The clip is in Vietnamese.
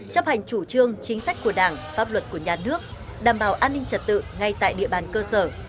chấp hành chủ trương chính sách của đảng pháp luật của nhà nước đảm bảo an ninh trật tự ngay tại địa bàn cơ sở